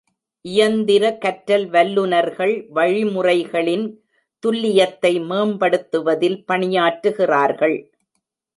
இயந்திர கற்றல் வல்லுநர்கள் வழிமுறைகளின் துல்லியத்தை மேம்படுத்துவதில் பணியாற்றுகிறார்கள்.